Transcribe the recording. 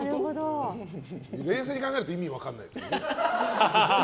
冷静に考えると意味分かんないですよね。